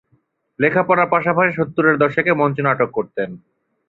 লেখাপড়ার পাশাপাশি সত্তরের দশকে মঞ্চ নাটক করতেন।